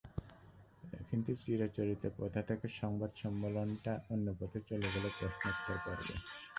কিন্তু চিরাচরিত প্রথা থেকে সংবাদ সম্মেলনটা অন্য পথে চলে গেল প্রশ্নোত্তর পর্বে।